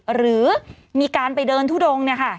หรือมีการไปเดินทุดงเนี่ยค่ะ